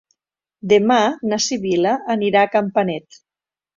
Demà na Sibil·la anirà a Campanet.